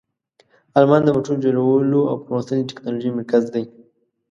آلمان د موټر جوړولو او پرمختللې تکنالوژۍ مرکز دی.